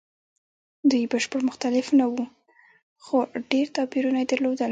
دوی بشپړ مختلف نه وو؛ خو ډېر توپیرونه یې درلودل.